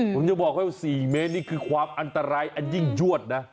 ผมจะบอกให้๔เมตรนี่คือความอันตรายอันยิ่งยวดนะ